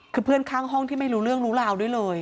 คือเพื่อนข้างห้องที่ไม่รู้เรื่องรู้ราวด้วยเลย